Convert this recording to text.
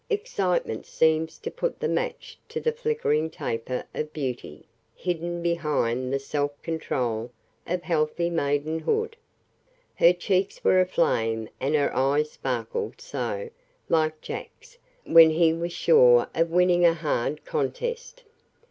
Excitement seems to put the match to the flickering taper of beauty, hidden behind the self control of healthy maidenhood. Her cheeks were aflame and her eyes sparkled so like Jack's when he was sure of winning a hard contest.